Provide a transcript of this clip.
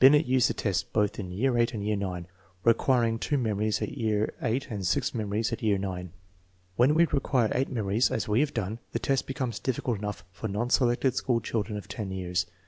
268 THE MEASUREMENT OF INTELLIGENCE Binet used the test both in year VIII and year IX, requir ing two memories at year VIII and six memories at year IX. When we require eight memories, as we have done, the test becomes difficult enough for non selected school children of 10 years.